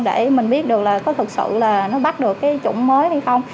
để mình biết được là có thực sự là nó bắt được cái chủng mới hay không